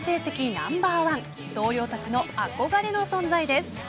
ナンバーワン同僚たちの憧れの存在です。